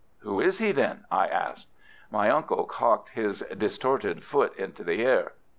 "Who is he, then?" I asked. My uncle cocked his distorted foot into the air.